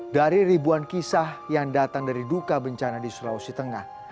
dari ribuan kisah yang datang dari duka bencana di sulawesi tengah